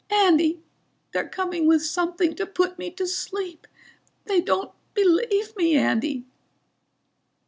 Andy! They're coming with something to put me to sleep. They don't believe me, Andy